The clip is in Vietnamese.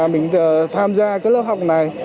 mình tham gia cái lớp học này